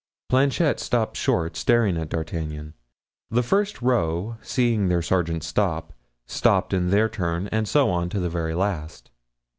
Planchet stopped short, staring at D'Artagnan. The first row, seeing their sergeant stop, stopped in their turn, and so on to the very last.